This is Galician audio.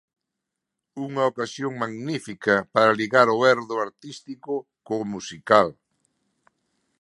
Unha ocasión magnífica para ligar o herdo artístico co musical.